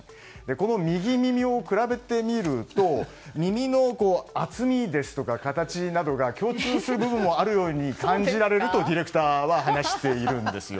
この右耳を比べてみると耳の厚みですとか形などが共通する部分もあるように感じられるとディレクターは話しているんですよ。